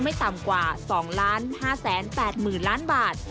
ไม่ต่ำกว่า๒๕๘๐๐๐ล้านบาท